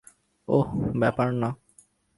ওহ, ব্যাপার না।